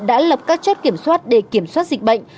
đã lập các chốt kiểm soát để kiểm soát dịch bệnh